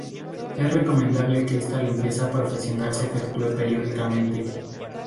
Es recomendable que esta limpieza profesional se efectúe periódicamente.